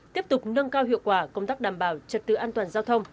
tiếp tục nâng cao hiệu quả công tác đảm bảo trật tự an toàn giao thông